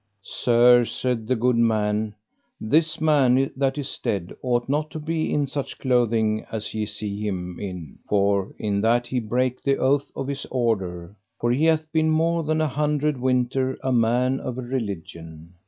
Sir, said the good man, this man that is dead ought not to be in such clothing as ye see him in, for in that he brake the oath of his order, for he hath been more than an hundred winter a man of a religion.